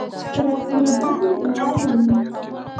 تر راستنېدو پورې دوام مومي.